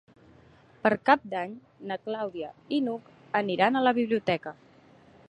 Per Cap d'Any na Clàudia i n'Hug aniran a la biblioteca.